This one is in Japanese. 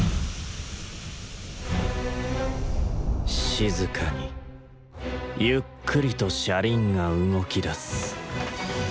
静かにゆっくりと車輪が動きだす。